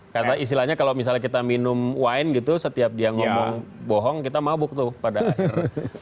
kata istilahnya kalau misalnya kita minum wine gitu setiap dia ngomong bohong kita mabuk tuh pada akhir